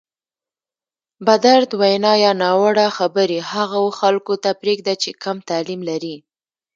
بدرد وینا یا ناوړه خبرې هغو خلکو ته پرېږده چې کم تعلیم لري.